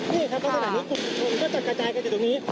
นี่ครับลักษณะนี้คุณภูมิก็จะกระจายกันจากตรงนี้